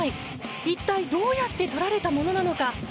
一体どうやって撮られたものなのか。